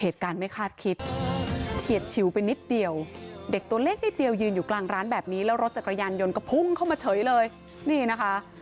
เหตุการณ์ไม่คาดคิดเฉียดชิวไปนิดเดียวเด็กตัวเล็กนิดเดียวยืนอยู่กลางร้านแบบนี้แล้วรถจักรยานยนต์ก็พุ่งเข้ามาเฉยเลยนี่นะคะ